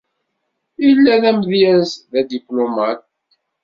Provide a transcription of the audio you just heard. Yella d amedyaz, d adiplumaṭ.